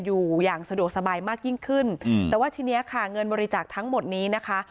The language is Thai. อยู่อย่างสะดวกสบายมากยิ่งขึ้นอืมแต่ว่าทีนี้ค่ะเงินบริจาคทั้งหมดนี้นะคะ